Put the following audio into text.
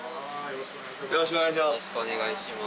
よろしくお願いします。